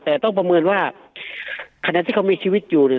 แต่ต้องประเมินว่าขณะที่เขามีชีวิตอยู่เนี่ย